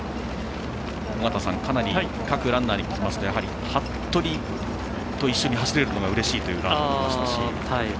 かなり各ランナーに聞きますと服部と一緒に走れるのがうれしいというランナーもいましたし。